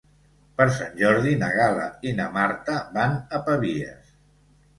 Per Sant Jordi na Gal·la i na Marta van a Pavies.